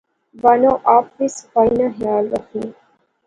بانو آپ وی صفائی نا خیال رخنی